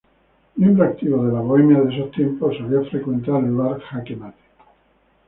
Miembro activo de la bohemia de esos tiempos, solía frecuentar el bar Jaque Mate.